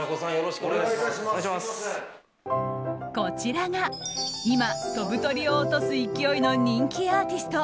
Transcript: こちらが今飛ぶ鳥を落とす勢いの人気アーティスト